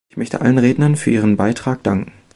Ich möchte allen Rednern für Ihren Beitrag danken.